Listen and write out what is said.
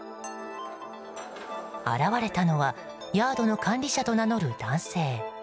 現れたのはヤードの管理者と名乗る男性。